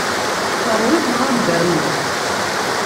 Teṛwiḍ neɣ ad m-d-rnuɣ?